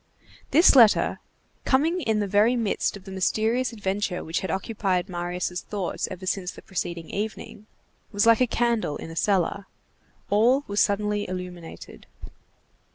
This letter, coming in the very midst of the mysterious adventure which had occupied Marius' thoughts ever since the preceding evening, was like a candle in a cellar. All was suddenly illuminated.